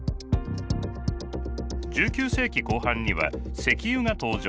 １９世紀後半には石油が登場。